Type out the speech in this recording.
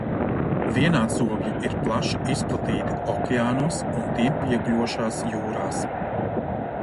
Vienādzobji ir plaši izplatīti okeānos un tiem pieguļošās jūrās.